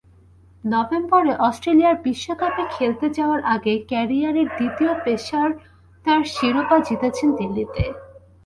নভেম্বরে অস্ট্রেলিয়ায় বিশ্বকাপে খেলতে যাওয়ার আগেই ক্যারিয়ারের দ্বিতীয় পেশাদার শিরোপা জিতেছেন দিল্লিতে।